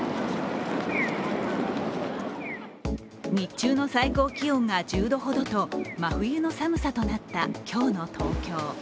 日中の最高気温が１０度ほどと真冬の寒さとなった今日の東京。